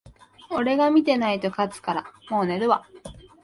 俺が見てないと勝つから、もう寝るわ